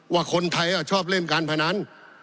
ว่าคนไทยชอบเล่นการพนัน